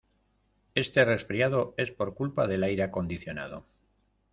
Este resfriado es por culpa del aire acondicionado.